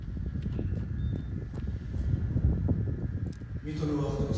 水戸の若殿様